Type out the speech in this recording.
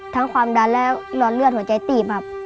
ความดันและหลอดเลือดหัวใจตีบครับ